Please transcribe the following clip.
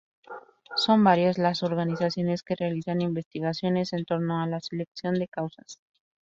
Son varias las organizaciones que realizan investigaciones en torno a la selección de causas.